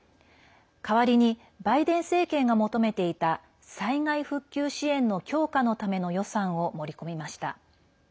代わりにバイデン政権が求めていた災害復旧支援の強化のための予算を盛り込みました。